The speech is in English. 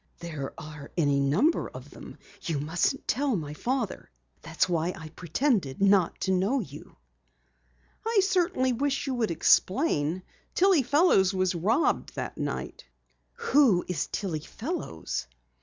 "There are any number of them. You mustn't tell my father! That's why I pretended not to know you." "I certainly wish you would explain. Tillie Fellows was robbed that night." "Who is Tillie Fellows?"